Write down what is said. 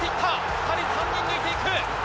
２人３人抜いていく！